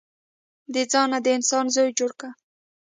د ځانه د انسان زوی جوړ که.